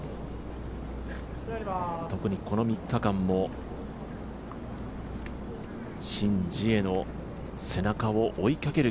特にこの３日間も、シン・ジエの背中を追いかける